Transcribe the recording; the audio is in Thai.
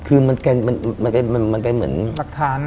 คือมันเป็นเหมือน